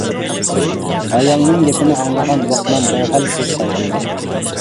ئايالنىڭ گېپىنى ئاڭلىغان لوقمان دەرھال سۆز قايتۇردى.